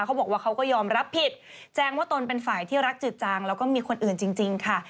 เขาบอกว่าเขาก็ยอมรับผิดแจ้งว่าตนเป็นฝ่ายที่รักจืดจางแล้วก็มีคนอื่นจริงค่ะ